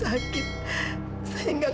saya tidak akan menanggungmu